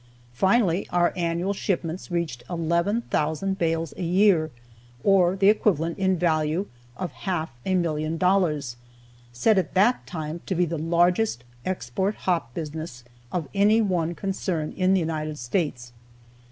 Finally our annual shipments reached eleven thousand bales a year, or the equivalent in value of half a million dollars said at that time to be the largest export hop business of any one concern in the United States.